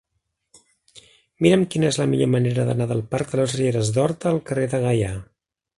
Mira'm quina és la millor manera d'anar del parc de les Rieres d'Horta al carrer del Gaià.